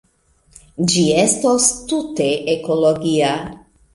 Ĝi estos tute ekologia.